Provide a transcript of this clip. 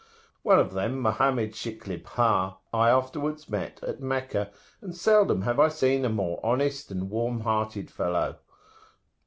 One of them, Mohammed Shiklibha, I afterwards met at Meccah, and seldom have I seen a more honest and warm hearted fellow.